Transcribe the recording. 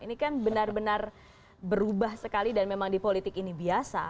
ini kan benar benar berubah sekali dan memang di politik ini biasa